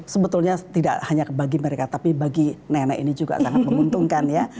sebetulnya tidak hanya bagi mereka tapi bagi nenek ini juga sangat menguntungkan ya